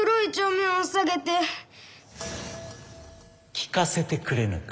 聞かせてくれぬか？